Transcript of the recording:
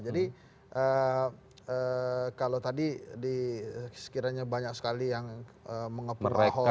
jadi kalau tadi di sekiranya banyak sekali yang mengepen raho kemudian